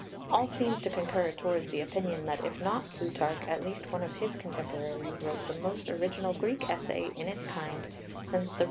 All seems to concur towards the opinion that, if not Plutarch, at least one of his contemporaries wrote the most original Greek essay in its kind since the Rhetoric and Poetic of Aristotle."